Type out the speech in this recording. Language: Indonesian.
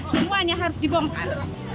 semuanya harus dibongkar